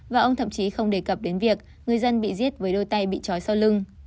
và ông thậm chí không đề cập đến việc người dân bị giết với đôi tay bị trói sau lưng